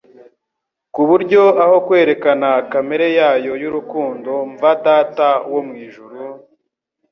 ku buryo aho kwerekana kamere yayo y'urukundo mva Data wo mu ijuru,